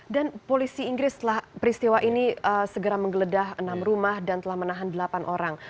dan polisi inggris setelah peristiwa ini segera menggeledah enam rumah dan telah menahan delapan orang